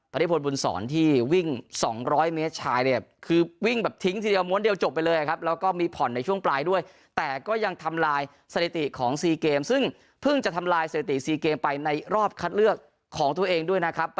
ริพลบุญศรที่วิ่ง๒๐๐เมตรชายเนี่ยคือวิ่งแบบทิ้งทีเดียวม้วนเดียวจบไปเลยครับแล้วก็มีผ่อนในช่วงปลายด้วยแต่ก็ยังทำลายสถิติของซีเกมซึ่งเพิ่งจะทำลายสถิติ๔เกมไปในรอบคัดเลือกของตัวเองด้วยนะครับ